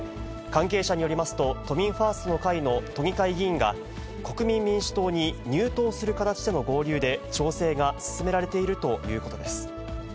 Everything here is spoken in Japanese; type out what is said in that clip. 関係者によりますと、都民ファーストの会の都議会議員が、国民民主党に入党する形での合流で、調整が進められているということです。